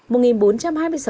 với một chín mươi sáu chuỗi